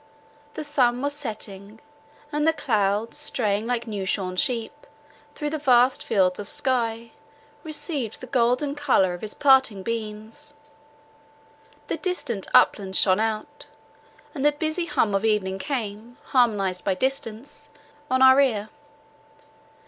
The sun was setting; and the clouds, straying, like new shorn sheep, through the vast fields of sky, received the golden colour of his parting beams; the distant uplands shone out, and the busy hum of evening came, harmonized by distance, on our ear.